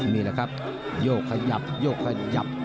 นี่แหละครับโยกขยับโยกขยับ